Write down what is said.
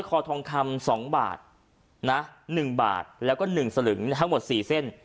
คอทองคำ๒บาทนะ๑บาทแล้วก็๑สลึงทั้งหมด๔เส้น